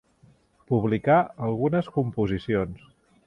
Publicà algunes composicions.